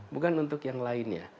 bukan untuk yang lainnya